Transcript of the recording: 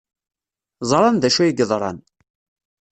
Ẓran d acu ay yeḍran.